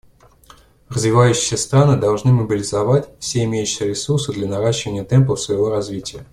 Развивающиеся страны должны мобилизовать все имеющиеся ресурсы для наращивания темпов своего развития.